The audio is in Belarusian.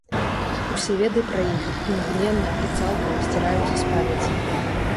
Усе веды пра іх імгненна і цалкам сціраюцца з памяці.